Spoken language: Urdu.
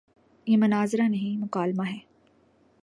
یہ مناظرہ نہیں، مکالمہ ہے۔